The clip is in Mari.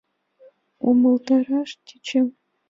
Умылтараш тӧчем.